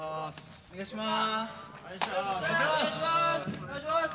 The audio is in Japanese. お願いします。